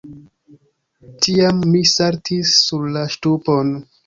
Tiam mi saltis sur la ŝtupon.